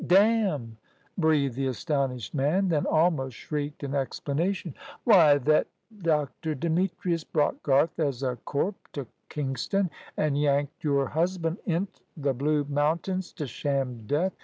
"Damn!" breathed the astonished man; then almost shrieked an explanation: "Why, thet Dr. Demetrius brought Garth as a corp t' Kingston, an' yanked your husband int' the Blue Mountains t' sham death.